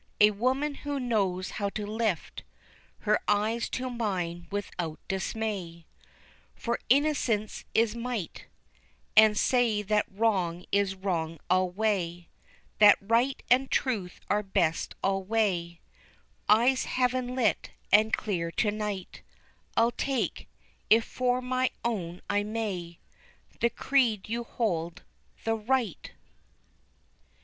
A woman who knows how to lift Her eyes to mine without dismay For innocence is might And say that wrong is wrong alway, That right and truth are best alway, Eyes heaven lit and clear, to night I'll take, if for my own I may, The creed you hold the right!